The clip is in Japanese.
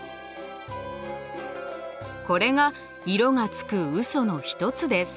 これが色がつくうその一つです。